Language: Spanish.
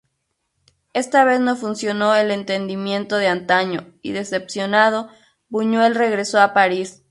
Esta vez no funcionó el entendimiento de antaño y, decepcionado, Buñuel regresó a París.